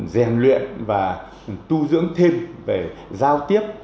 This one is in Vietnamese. giàn luyện và tu dưỡng thêm về giao tiếp